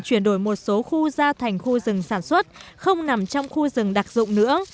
chuyển đổi một số khu ra thành khu rừng sản xuất không nằm trong khu rừng đặc dụng nữa